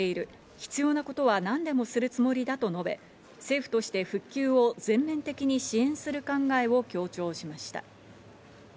必要なことは何でもするつもりだと述べ、政府として復旧を全面的に支援する考えを強調しました。